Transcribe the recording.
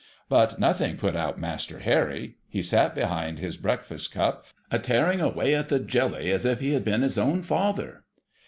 But nothing put out Master Harry. He sat behind his breakfast cup, a tearing away at the jelly, as if he had been his own father.